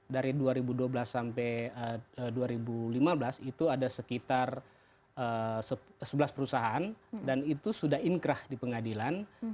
dari dua ribu dua belas sampai dua ribu lima belas itu ada sekitar sebelas perusahaan dan itu sudah inkrah di pengadilan